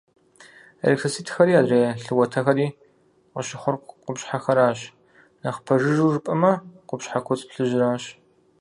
Эритроцитхэри адрей лъы уэтэхэри къыщыхъур къупщхьэхэращ. Нэхъ пэжыжу жыпӏэмэ, къупщхьэ куцӏ плъыжьращ.